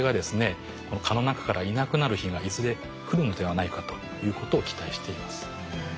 この蚊の中からいなくなる日がいずれ来るのではないかということを期待しています。